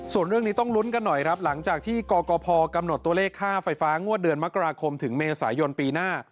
ส่วนเรื่องนี้ต้องลุ้นกันหน่อยครับหลังจากที่กกพกำหนดตัวเลขค่าไฟฟ้างวดเดือนมกราคมถึงเมษายนปีหน้า